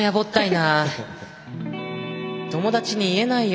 友達に言えないよ。